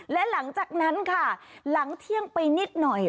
และหลังจากนั้นค่ะหลังเที่ยงไปนิดหน่อย